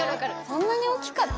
そんなに大きかった？